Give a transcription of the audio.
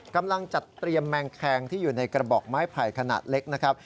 กำลังจัดเตรียมแมงแคงที่อยู่ในกระบอกไม้ไผ่ขนาดเล็กนะครับ